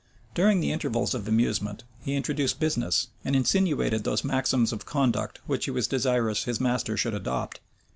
During the intervals of amusement, he introduced business, and insinuated those maxims of conduct which he was desirous his master should adopt.